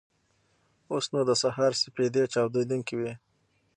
اوس نو د سهار سپېدې چاودېدونکې وې.